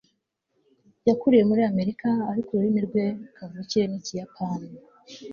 yakuriye muri amerika, ariko ururimi rwe kavukire ni ikiyapani